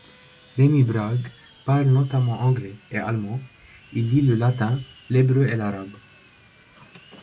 Rémi Brague parle notamment anglais, et allemand, il lit le latin, l'hébreu et l'arabe.